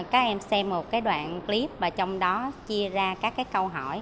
các em xem một đoạn clip và trong đó chia ra các câu hỏi